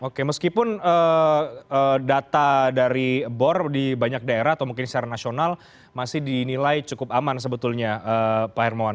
oke meskipun data dari bor di banyak daerah atau mungkin secara nasional masih dinilai cukup aman sebetulnya pak hermawan